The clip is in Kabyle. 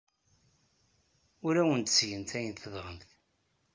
Ur awent-ttgen ayen tebɣamt.